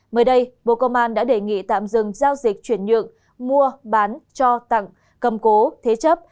mới đây bộ công an đã đề nghị tạm dừng giao dịch chuyển nhượng mua bán cho tặng cầm cố thế chấp